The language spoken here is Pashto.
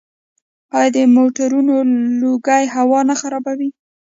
آیا د موټرو لوګی هوا نه خرابوي؟